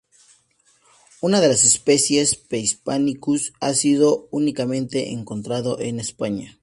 Una de las especies, "P. hispanicus", ha sido únicamente encontrado en España.